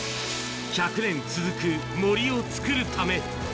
１００年続く森を作るため。